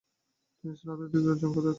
তিনি স্নাতক ডিগ্রি অর্জন করেন।